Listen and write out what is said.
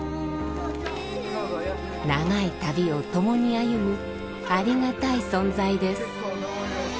長い旅を共に歩むありがたい存在です。